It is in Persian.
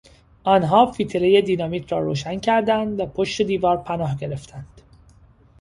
آنها فتیلهی دینامیت را روشن کردند و پشت دیوار پناه گرفتند.